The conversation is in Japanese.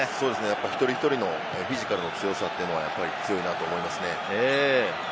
一人一人のフィジカルの強さというのはやっぱり強いなと思いますね。